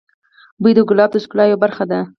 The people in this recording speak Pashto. بوی د ګلاب د ښکلا یوه برخه ده.